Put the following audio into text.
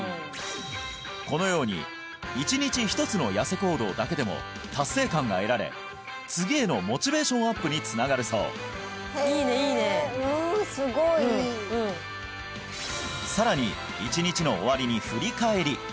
このように１日１つのヤセ行動だけでも達成感が得られ次へのモチベーションアップにつながるそうさらに１日の終わりに振り返り